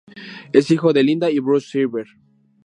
Es hijo de Lynda y Bruce Sevier.